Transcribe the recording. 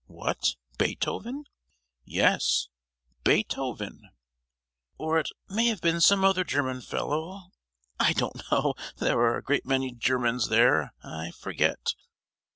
"What, Beethoven?" "Yes, Beethoven; or it may have been some other German fellow—I don't know; there are a great many Germans there. I forget."